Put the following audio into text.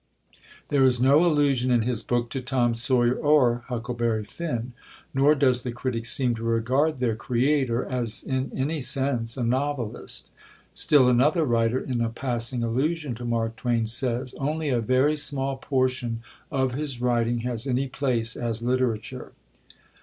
There is no allusion in his book to Tom Sawyer or Huckleberry Finn, nor does the critic seem to regard their creator as in any sense a novelist. Still another writer, in a passing allusion to Mark Twain, says, "Only a very small portion of his writing has any place as literature."